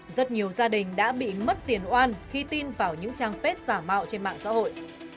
rất nhiều gia đình đã bị mất tiền oan khi tin vào những trang phép giả mạo trên mạng xã hội